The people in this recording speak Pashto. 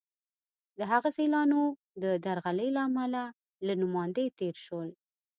د هغه سیالانو د درغلۍ له امله له نوماندۍ تېر شول.